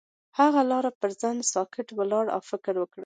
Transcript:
هغه د لاره پر څنډه ساکت ولاړ او فکر وکړ.